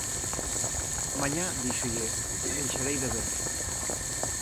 “Mañá”, díxolle, “deixarei de ver”.